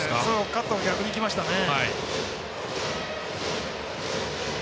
カットが逆にきましたね。